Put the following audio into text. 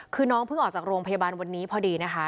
คือน้องเพิ่งออกจากโรงพยาบาลวันนี้พอดีนะคะ